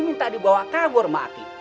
minta dibawa kabur sama aki